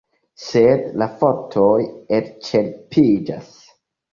Sed la fortoj elĉerpiĝas.